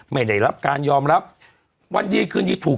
ไม่ได้รับการยอมรับวันดีคืนดีถูก